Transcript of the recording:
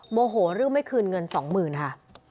โมโหเรื่องไม่คืนเงินสองหมื่นค่ะ